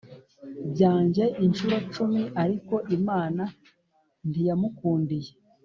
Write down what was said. byanjye incuro cumi ariko Imana ntiyamukundiye